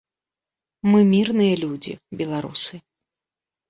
Мы мірныя людзі, беларусы.